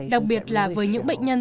đặc biệt là với những bệnh nhân